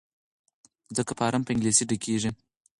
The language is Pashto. ځکه فارم په انګلیسي ډکیږي.